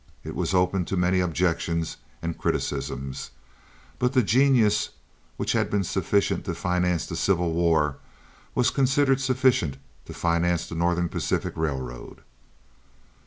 It was open to many objections and criticisms; but the genius which had been sufficient to finance the Civil War was considered sufficient to finance the Northern Pacific Railroad.